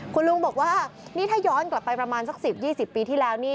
คุณลุงบอกว่านี่ถ้าย้อนกลับไปประมาณสัก๑๐๒๐ปีที่แล้วนี่